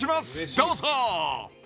どうぞ！